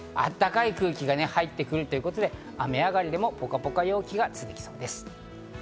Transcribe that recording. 暖かい空気が入ってくるということで、雨上がりでもポカポカ陽気が続きそうです。